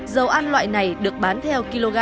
dầu ăn loại này được bán theo kg